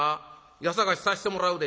家捜しさしてもらうで。